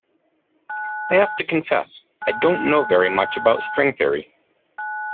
I have to confess I don't know very much about string theory.